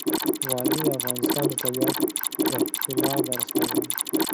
وادي د افغانستان د طبیعت د ښکلا برخه ده.